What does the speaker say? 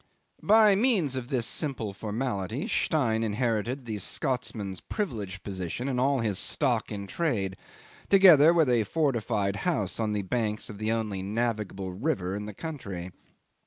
'By means of this simple formality Stein inherited the Scotsman's privileged position and all his stock in trade, together with a fortified house on the banks of the only navigable river in the country.